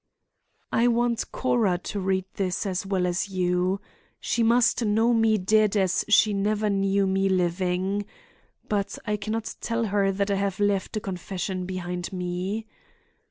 "I want Cora to read this as well as you. She must know me dead as she never knew me living. But I can not tell her that I have left a confession behind me.